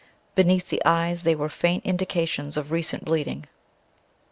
Beneath the eyes there were faint indications of recent bleeding.